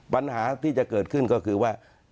ปัญหาที่จะเกิดขึ้นก็คือว่า